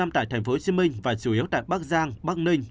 một trăm linh tại tp hcm và chủ yếu tại bắc giang bắc nam